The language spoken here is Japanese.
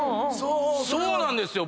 そうなんですよ。